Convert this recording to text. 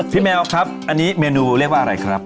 แมวครับอันนี้เมนูเรียกว่าอะไรครับ